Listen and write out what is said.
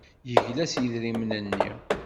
Yegla s yidrimen-nni.